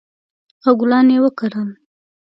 او ګلان یې وکرل